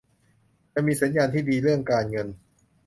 จะมีสัญญาณที่ดีเรื่องการเงิน